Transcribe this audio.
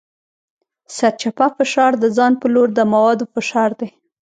سرچپه فشار د ځان په لور د موادو فشار دی.